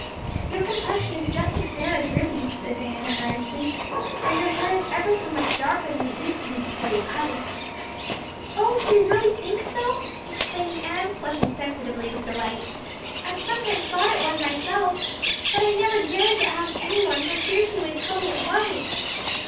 "Your complexion is just as fair as Ruby's," said Diana earnestly, "and your hair is ever so much darker than it used to be before you cut it." "Oh, do you really think so?" exclaimed Anne, flushing sensitively with delight. "I've sometimes thought it was myself but I never dared to ask anyone for fear she would tell me it wasn't.